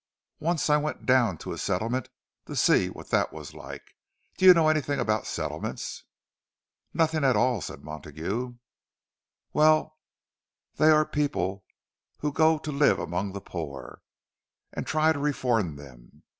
Once I went down to a settlement, to see what that was like. Do you know anything about settlements?" "Nothing at all," said Montague. "Well, they are people who go to live among the poor, and try to reform them.